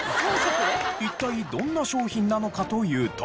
一体どんな商品なのかというと。